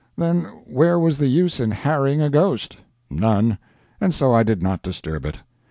Then where was the use in harrying a ghost? None and so I did not disturb it.